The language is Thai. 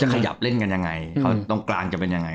จะโขล้มไปเลยกันยังไง